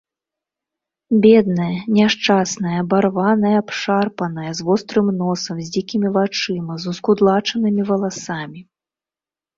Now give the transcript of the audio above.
Бедная, няшчасная, абарваная, абшарпаная, з вострым носам, з дзікімі вачыма, з ускудлачанымі валасамі.